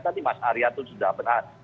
tadi mas arya itu sudah benar